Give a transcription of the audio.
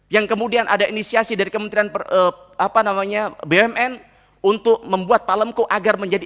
yang kemudian ada inisiasi dari kementerian bumn untuk membuat palemku agar menjadi